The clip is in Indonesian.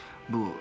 alena benar kok